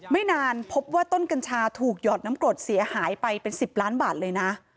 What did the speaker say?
ไม่นานพบว่าต้นกัญชาถูกหยอดน้ำกรดเสียหายไปเป็น๑๐ล้านบาทเลยนะ